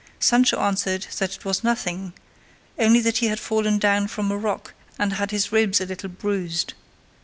Sancho answered that it was nothing, only that he had fallen down from a rock and had his ribs a little bruised.